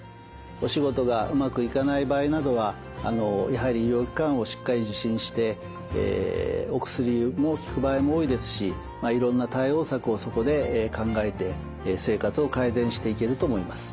お仕事がうまくいかない場合などはやはり医療機関をしっかり受診してお薬も効く場合も多いですしいろんな対応策をそこで考えて生活を改善していけると思います。